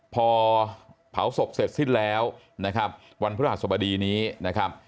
พอเผาศพเสร็จสิ้นแล้วนะครับวันพฤหัสบดีนี้นะครับ